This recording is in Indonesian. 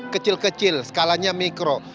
kecil kecil skalanya mikro